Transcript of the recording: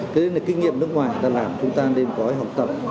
thế nên là kinh nghiệm nước ngoài đã làm chúng ta nên có học tập